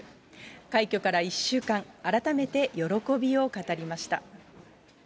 快挙から１週間、改めて喜びを語りました。